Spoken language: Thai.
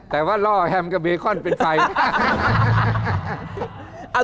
แต่ว่าล่อแฮมกับเบคอนเป็นไฟ